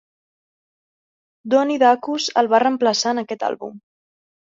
Donnie Dacus el va reemplaçar en aquest àlbum.